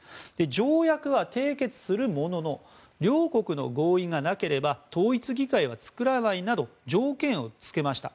条約は締結するものの両国の合意がなければ統一議会は作らないなど条件をつけました。